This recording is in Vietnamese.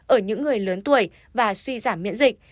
ở những người lớn tuổi và suy giảm miễn dịch